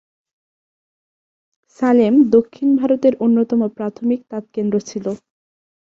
সালেম দক্ষিণ ভারতের অন্যতম প্রাথমিক তাঁত কেন্দ্র ছিল।